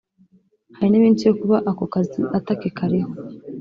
hari n’iminsi yo kuba ako kazi atakikariho